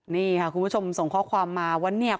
นี่ค่ะคุณผู้ชมส่งข้อความมาว่าเนี่ย